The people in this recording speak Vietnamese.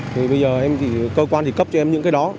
thì bây giờ em thì cơ quan thì cấp cho em những cái đó